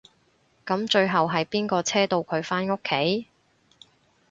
噉最後係邊個車到佢返屋企？